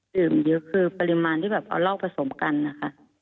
ดื่มเยอะคือปริมาณที่แบบเอาเหล้าผสมกันนะคะ